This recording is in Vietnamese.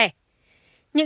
những dòng tin nhắn